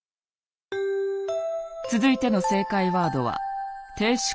続いての正解ワードは「亭主関白」。